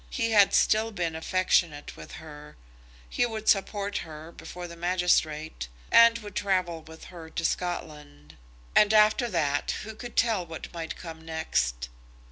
He had still been affectionate with her; he would support her before the magistrate, and would travel with her to Scotland. And after that who could tell what might come next?